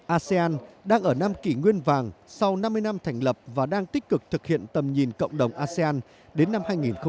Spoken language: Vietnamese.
asean đang ở năm kỷ nguyên vàng sau năm mươi năm thành lập và đang tích cực thực hiện tầm nhìn cộng đồng asean đến năm hai nghìn bốn mươi năm